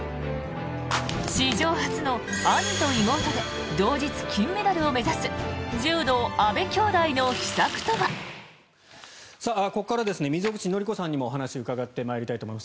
史上初の兄と妹で同日、金メダルを目指す柔道、阿部兄妹の秘策とは。ここから溝口紀子さんにもお話を伺ってまいりたいと思います。